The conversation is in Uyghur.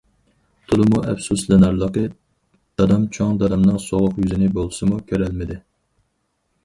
تولىمۇ ئەپسۇسلىنارلىقى، دادام چوڭ دادامنىڭ سوغۇق يۈزىنى بولسىمۇ كۆرەلمىدى.